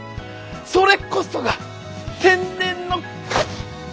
それこそが天然のカキ！